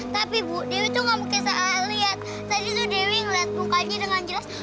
tapi ibu dewi tuh gak mungkin lihat tadi tuh dewi ngelihat mukanya dengan jelas